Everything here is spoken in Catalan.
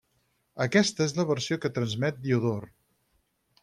Aquesta és la versió que transmet Diodor.